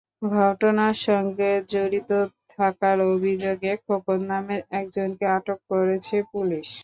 ঘটনার সঙ্গে জড়িত থাকার অভিযোগে খোকন নামের একজনকে আটক করেছে পুলিশ।